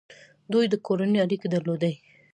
دوی د کورنۍ اړیکې درلودې.